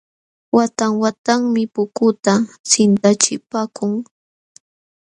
Watan watanmi pukuta sintachipaakun.